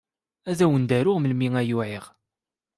Ad awen-d-aruɣ melmi ay uɛiɣ.